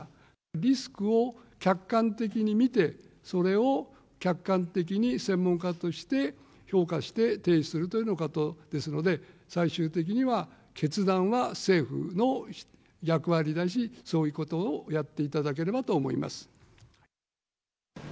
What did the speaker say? リスクを客観的に見て、それを客観的に専門家として評価して提出するということですので、最終的には決断は政府の役割だし、そういうことをやっていただければと思います。